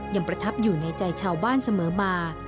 ประทับอยู่ในใจชาวบ้านเสมอมา